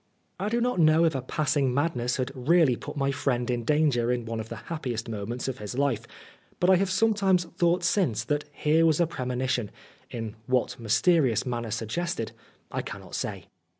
I do not know if a passing madness had really put my friend in danger in one of the happiest moments of his life, but I have sometimes thought since that here was a premonition in what mysterious manner suggested, I cannot say.